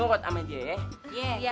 nurut sama dia ya